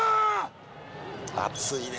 熱いね。